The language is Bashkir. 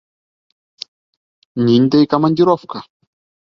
Ниндәй командировка?